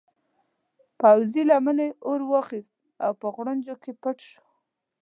پوځي لمنې اور واخیست او په غوړنجو کې پټ شو.